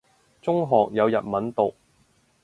中學有日文讀